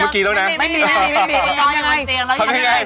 เราช่วยอะไร